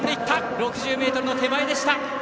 ６０ｍの手前でした。